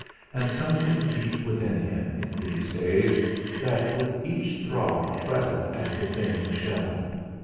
And something beat within him in these days that with each throb fretted at the thinning shell.